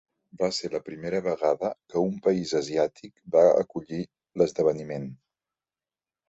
Va ser la primera vegada que un país asiàtic va acollir l'esdeveniment.